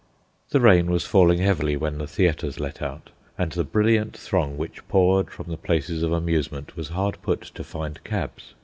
The rain was falling heavily when the theatres let out, and the brilliant throng which poured from the places of amusement was hard put to find cabs.